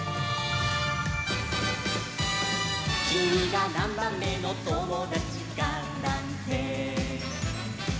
「きみがなんばんめのともだちかなんて」